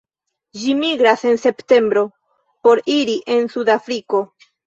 Ĝi migras en septembro por iri en Sudafriko.